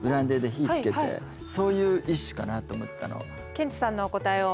ケンチさんのお答えを。